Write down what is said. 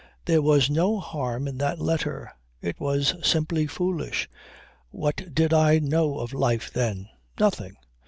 There was no harm in that letter. It was simply foolish. What did I know of life then? Nothing.